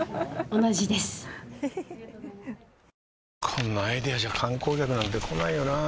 こんなアイデアじゃ観光客なんて来ないよなあ